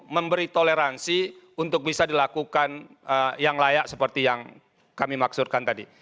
memberi toleransi untuk bisa dilakukan yang layak seperti yang kami maksudkan tadi